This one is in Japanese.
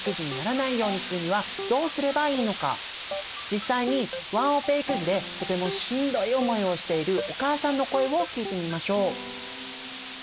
じゃあ実際にワンオペ育児でとてもしんどい思いをしているお母さんの声を聞いてみましょう。